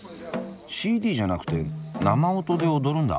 ＣＤじゃなくて生音で踊るんだ。